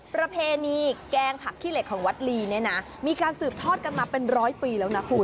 ประเพณีแกงผักขี้เหล็กของวัดลีเนี่ยนะมีการสืบทอดกันมาเป็นร้อยปีแล้วนะคุณ